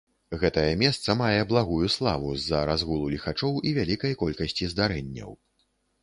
Гэтае месца мае благую славу з-за разгулу ліхачоў і вялікай колькасці здарэнняў.